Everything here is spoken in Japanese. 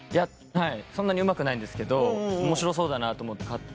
そんなにうまくないんですけどおもしろそうだなと思って買って。